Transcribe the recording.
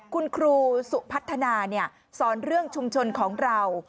คุณครูสุพัฒนาสอนเรื่องชุมชนของเรา